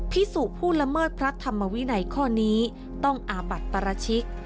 พิสูจน์ผู้ละเมิดพระธรรมวินัยข้อนี้ต้องอาบัติปราชิก